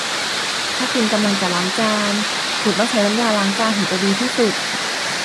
ถ้าคุณกำลังจะล้างจาน คุณต้องใช้น้ำยาล้างจานถึงจะดีที่สุด